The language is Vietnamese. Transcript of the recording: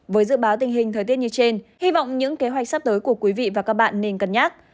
với dự báo tình hình thời tiết như trên hy vọng những kế hoạch sắp tới của quý vị và các bạn nên cân nhắc